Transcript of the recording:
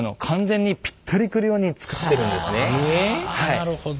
なるほど。